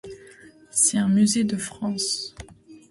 C'est un musée de France.